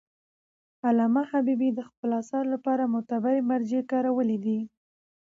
علامه حبیبي د خپلو اثارو لپاره معتبري مراجع کارولي دي.